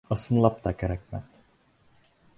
Ысынлап та, кәрәкмәҫ.